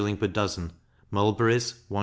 per dozen; mulberries 1s.